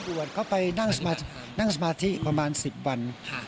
บวชเขาไปนั่งสมาธินั่งสมาธิประมาณ๑๐วัน